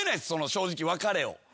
正直別れを。